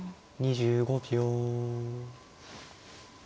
２５秒。